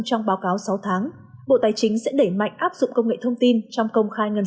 trong báo cáo sáu tháng bộ tài chính sẽ đẩy mạnh áp dụng công nghệ thông tin trong công khai ngân